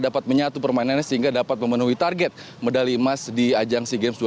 dapat menyatu permainannya sehingga dapat memenuhi target medali emas di ajang sea games dua ribu tujuh belas ini eva